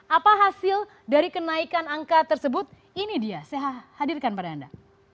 apa hasil dari kenaikan angka tersebut ini dia saya hadirkan pada anda